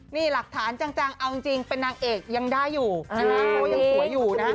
นี่หลักฐานจังเอาจริงเป็นนางเอกยังได้อยู่นะคะเพราะว่ายังสวยอยู่นะฮะ